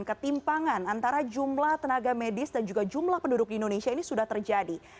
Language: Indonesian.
ketimpangan antara jumlah tenaga medis dan juga jumlah penduduk di indonesia ini sudah terjadi